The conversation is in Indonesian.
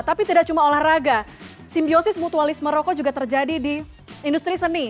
tapi tidak cuma olahraga simbiosis mutualisme rokok juga terjadi di industri seni